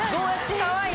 かわいい。